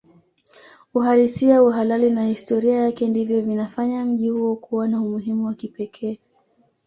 Uhalisia uhalali na historia yake ndivyo vinafanya mji huo kuwa na umuhimu wa kipekee